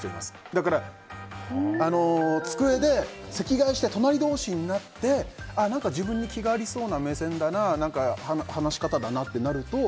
だから机で席替えして隣同士になって自分に気がありそうな目線だな話し方だなとなると。